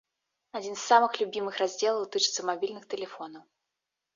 Адзін з самых любімых раздзелаў тычыцца мабільных тэлефонаў.